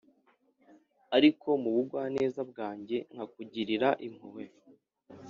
ariko mu bugwaneza bwanjye nkakugirira impuhwe.